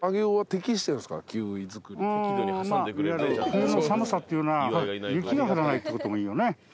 冬の寒さっていうのは雪が降らないってこともいいよね。